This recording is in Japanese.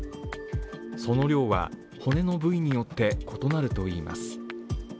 その量は、骨の部位によって異なるといいます。